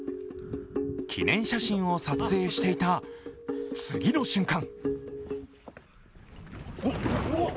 記念写真を撮影していた次の瞬間